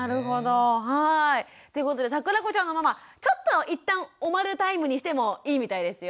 ということでさくらこちゃんのママちょっと一旦おまるタイムにしてもいいみたいですよ。